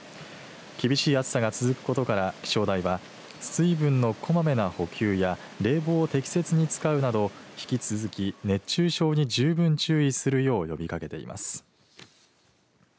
厳しい暑さが続くことから気象台は、水分のこまめな補給や冷房を適切に使うなど、引き続き熱中症に十分注意するよう呼びかけています。